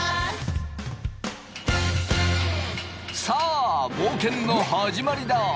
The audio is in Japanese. さあ冒険の始まりだ！